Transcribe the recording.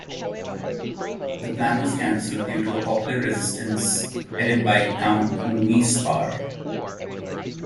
The plan was cancelled due to a popular resistance headed by Count Louis Sparre.